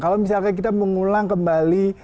kalau misalkan kita mengulang kembali